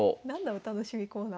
「お楽しみコーナー」。